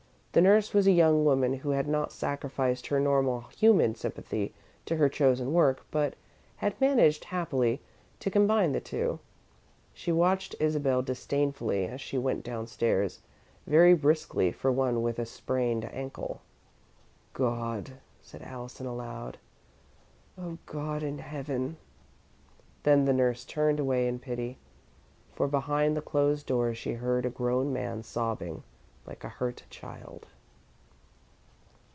The nurse was a young woman who had not sacrificed her normal human sympathy to her chosen work, but had managed, happily, to combine the two. She watched Isabel disdainfully as she went down stairs, very briskly for one with a sprained ankle. "God!" said Allison, aloud. "Oh, God in Heaven!" Then the nurse turned away in pity, for behind the closed door she heard a grown man sobbing like a hurt child.